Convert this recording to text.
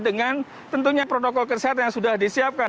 dengan tentunya protokol kesehatan yang sudah disiapkan